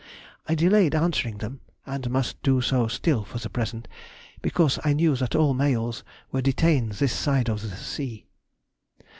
I delayed answering them (and must do so still for the present) because I knew that all mails were detained this side of the sea.